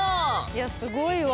いやすごいわ。